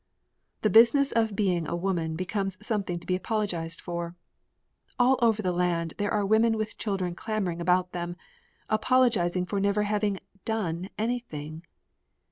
The Business of Being a Woman becomes something to be apologized for. All over the land there are women with children clamoring about them, apologizing for never having done anything!